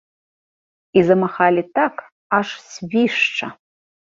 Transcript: І замахалі так, аж свішча!